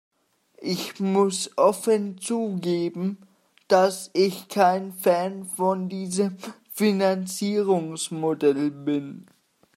Ich muss offen zugeben, dass ich kein Fan von diesem Finanzierungsmodell bin.